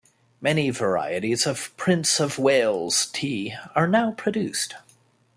Many varieties of Prince of Wales tea are now produced.